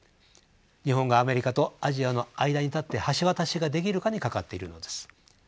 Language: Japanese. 日本がアメリカとアジアの間に立って橋渡しができるかにかかっているのです。